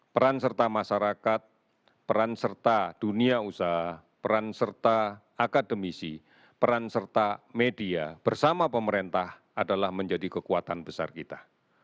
peran serta masyarakat peran serta dunia usaha peran serta akademisi peran serta media bersama pemerintah adalah menjadi kekuatan besar kita